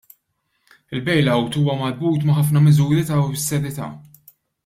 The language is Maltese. Il-bailout huwa marbut ma' ħafna miżuri ta' awsterità.